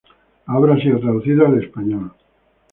La obra ha sido traducida al español.